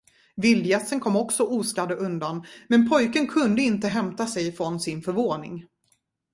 Vildgässen kom också oskadda undan, men pojken kunde inte hämta sig från sin förvåning.